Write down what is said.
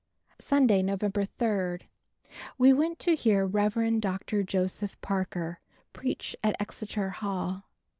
Sunday, November 3. We went to hear Rev. Dr. Joseph Parker preach at Exeter Hall.